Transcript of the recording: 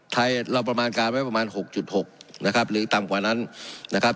ไทยเราประมาณการไว้ประมาณ๖๖นะครับหรือต่ำกว่านั้นนะครับ